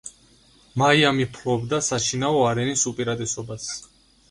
მაიამი ფლობდა საშინაო არენის უპირატესობას.